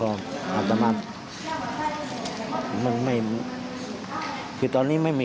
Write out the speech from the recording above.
ก็มั่นใจอีกครั้งเหมือนกัน